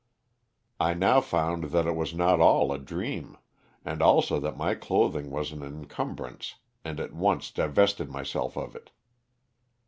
I now found that it was not all a dream, and also that my clothing was an incumbrance and at once divested myself of it.